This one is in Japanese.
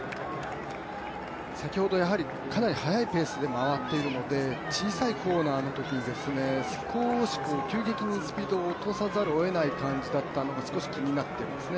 かなり速いペースで回っているので、小さいコーナーのときに少し急激にスーピードを落とさざるを得なかった感じが少し気になってますね